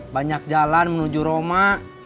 banyak jalan menuju roma